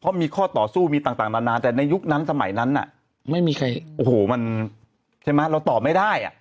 เพราะมีข้อต่อสู้มีต่างนานแต่ในยุคนั้นสมัยนั้นน่ะไม่มีใครโอ้โหมันใช่ไหมเราตอบไม่ได้อ่ะ